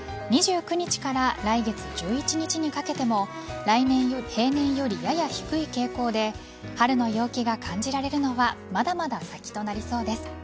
２９日から来月１１日にかけても平年よりやや低い傾向で春の陽気が感じられるのはまだまだ先となりそうです。